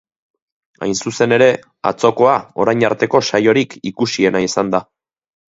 Hain zuzen ere, atzokoa orain arteko saiorik ikusiena izan da.